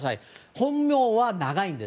本名は長いんです。